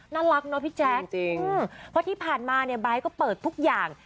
น่ารักเนอะพี่แจ๊คจริงเพราะที่ผ่านมาเนี่ยไบท์ก็เปิดทุกอย่าง